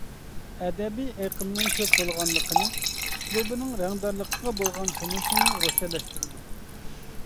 ئەدەبىي ئېقىمنىڭ كۆپ بولغانلىقىنى، ئۇسلۇبىنىڭ رەڭدارلىقىغا بولغان تونۇشىنى روشەنلەشتۈرىدۇ.